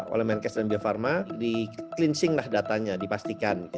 oleh menkes dan bio farma di cleansing lah datanya dipastikan